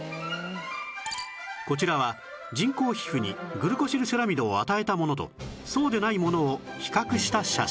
こちらは人工皮膚にグルコシルセラミドを与えたものとそうでないものを比較した写真